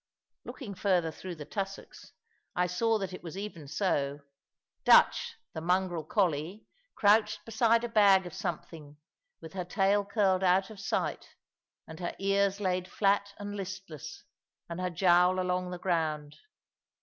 Looking further through the tussocks, I saw that it was even so. Dutch, the mongrel collie, crouched beside a bag of something, with her tail curled out of sight, and her ears laid flat and listless, and her jowl along the ground.